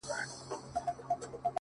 جنت د حورو دی!! دوزخ د سيطانانو ځای دی!!